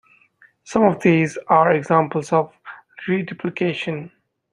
Some of these are examples of reduplication.